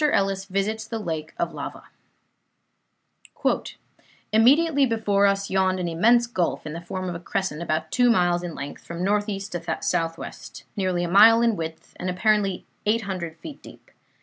ELLIS VISITS THE LAKE OF LAVA "Immediately before us yawned an immense gulf, in the form of a crescent, about two miles in length, from northeast to southwest; nearly a mile in width, and apparently 800 feet deep.